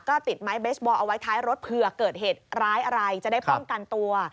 ก็ติดไม้เบสบอลเอาไว้ท้ายรถเผื่อเกิดเหตุร้ายอะไรจะได้ป้องกันตัว